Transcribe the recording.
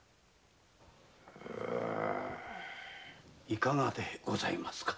いかがでございますか？